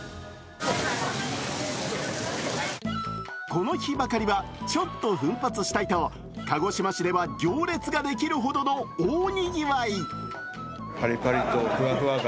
この日ばかりは、ちょっと奮発したいと鹿児島市では行列ができるほどの大賑わい。